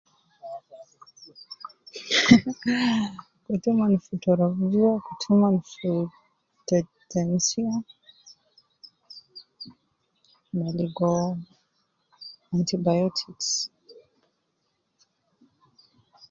Haah, kutu umon fi torof juwa, kutu umon fi tete temshiya ma ligo antibiotics.